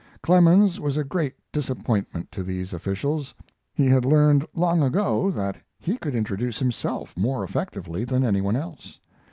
Clemens was a great disappointment to these officials. He had learned long ago that he could introduce himself more effectively than any one else.